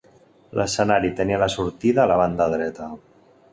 L'escenari tenia la sortida a la banda dreta.